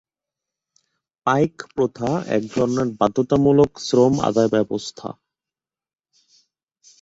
পাইক প্রথা একধরনের বাধ্যতামূলক শ্রম আদায় ব্যবস্থা।